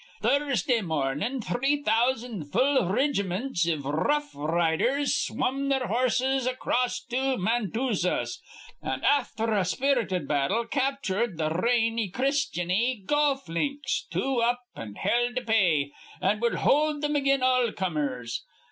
"Thursdah mornin' three thousand full rigimints iv r rough r riders swum their hor rses acrost to Matoonzas, an' afther a spirited battle captured th' Rainy Christiny golf links, two up an' hell to play, an' will hold thim again all comers.